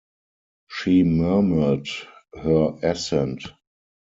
She murmured her assent.